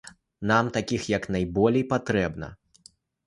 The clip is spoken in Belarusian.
Нам такіх як найболей патрэбна.